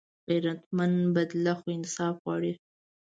غیرتمند بدله خو انصاف غواړي